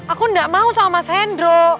aku gak mau sama mas hendro